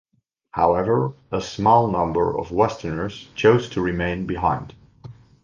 However, a small number of Westerners chose to remain behind.